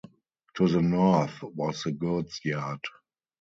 To the north was the goods yard.